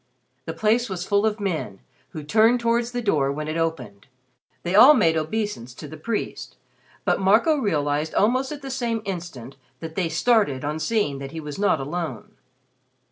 The place was full of men, who turned towards the door when it opened. They all made obeisance to the priest, but Marco realized almost at the same instant that they started on seeing that he was not alone.